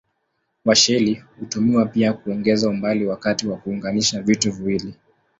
Washeli hutumiwa pia kuongeza umbali wakati wa kuunganisha vitu viwili.